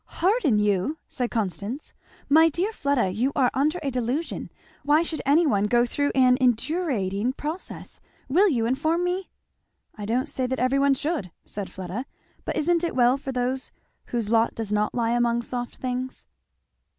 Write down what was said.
"Harden you!" said Constance. "My dear Fleda, you are under a delusion. Why should any one go through an indurating process? will you inform me?" "I don't say that every one should," said Fleda, "but isn't it well for those whose lot does not lie among soft things?"